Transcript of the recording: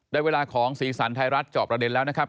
ได้เวลาของสีสันไทยรัฐจอบประเด็นแล้วนะครับ